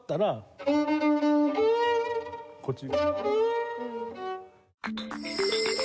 こっち。